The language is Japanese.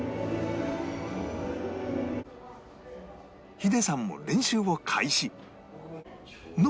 ヒデさんも練習を開始のはずが